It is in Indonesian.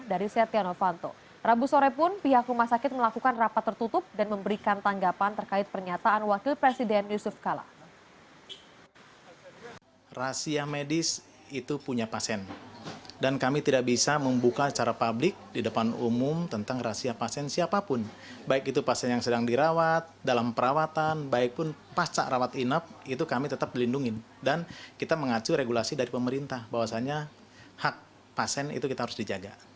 dari setia novanto rabu sore pun pihak rumah sakit melakukan rapat tertutup dan memberikan tanggapan terkait pernyataan wakil presiden yusuf kala